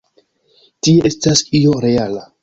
Tie estas io reala.